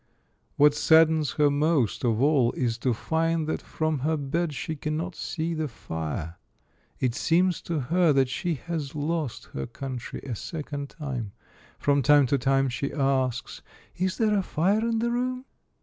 What saddens her most of all is to find that from her bed she cannot see the fire. It seems to her that she has lost her country a second time. From time to time she asks, " Is there a fire in the room?"